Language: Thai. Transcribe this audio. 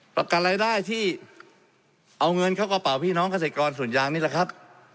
ประกันรายได้ที่เอาเงินเข้ากระเป๋าพี่น้องเกษตรกรส่วนยางนี่แหละครับ